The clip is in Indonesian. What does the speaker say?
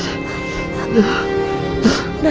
dua itu keluar